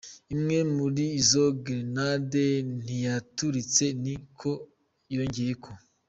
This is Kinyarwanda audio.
Imwe muri izo grenade ntiyaturitse, ni ko yongeyeko.